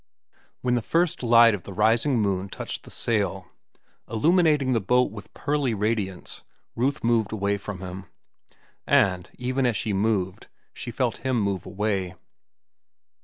When the first light of the rising moon touched the sail, illuminating the boat with pearly radiance, Ruth moved away from him. And, even as she moved, she felt him move away.